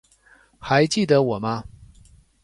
还记得我吗？